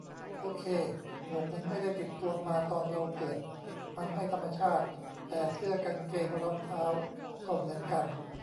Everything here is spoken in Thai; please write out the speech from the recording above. โอเค หมวกมันไม่ได้ติดตัวมาตอนเราเกิด มัน 'ไม่ธรรมชาติ'. แต่เสื้อกางเกงรองเท้า ก็เหมือนกัน.